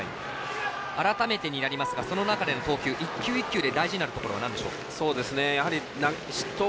改めてになりますがその中の投球一球一球で大事になるところは何でしょう？